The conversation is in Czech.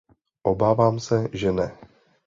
Obávám se, že ne.